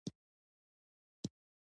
هغه د خپل پخواني یهودي ملګري کور ولید